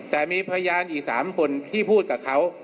แต่มีพยานอีก๓คนที่พูดกับเขา